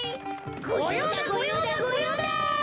ごようだごようだごようだ！